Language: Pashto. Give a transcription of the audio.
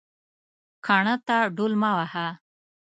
کاڼه ته ډول مه وهه